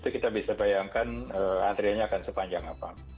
kita bisa bayangkan antriannya akan sepanjang apa